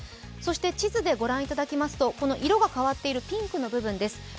地図で御覧いただきますと色が変わっているピンクの部分です。